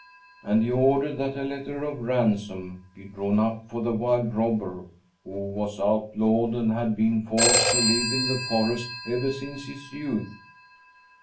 And he ordered that a letter of ransom be drawn up for the wild robber who was outlawed and had been forced to live in the forest ever since his youth.